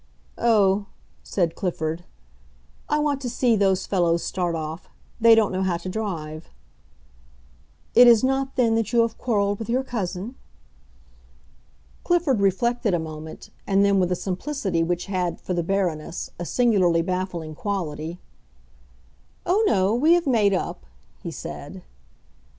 "Oh," said Clifford, "I want to see those fellows start off. They don't know how to drive." "It is not, then, that you have quarreled with your cousin?" Clifford reflected a moment, and then with a simplicity which had, for the Baroness, a singularly baffling quality, "Oh, no; we have made up!" he said.